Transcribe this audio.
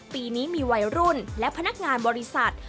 ปีนี้มีวัยรุ่นและพนักงานบริษัท